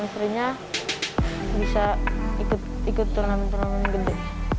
akhirnya bisa ikut ikut turnamen turnamen gede